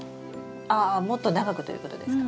ああもっと長くということですか？